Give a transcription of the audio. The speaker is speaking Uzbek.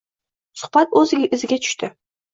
Suhbat oʻz iziga tushdi.